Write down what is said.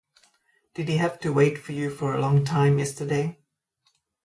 Did he have to wait for you for a long time yesterday?